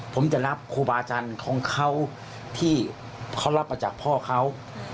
ผมจะรับครูบาอาจารย์ของเขาที่เขารับมาจากพ่อเขา